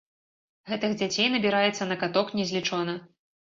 Гэтых дзяцей набіраецца на каток незлічона.